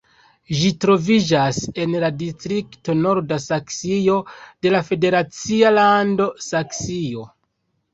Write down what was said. Ĝi troviĝas en la distrikto Norda Saksio de la federacia lando Saksio.